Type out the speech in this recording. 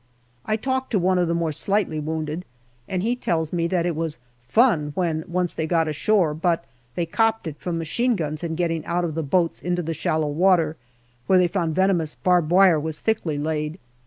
I talk to one of the more slightly wounded, and he tells me that it was " fun " when once they got ashore, but they " copped it " from machine guns in getting out of the boats into shallow water, where they found venomous barbed wire was thickly laid.